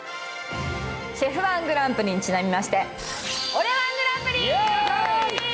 「ＣＨＥＦ−１グランプリ」にちなみましてＯＲＥ−１グランプリ。